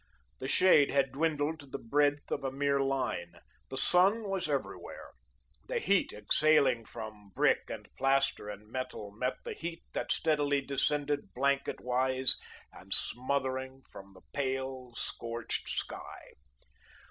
The shade had dwindled to the breadth of a mere line. The sun was everywhere. The heat exhaling from brick and plaster and metal met the heat that steadily descended blanketwise and smothering, from the pale, scorched sky.